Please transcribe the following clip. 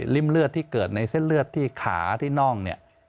เลือดที่เกิดในเส้นเลือดที่ขาที่น่องเนี่ย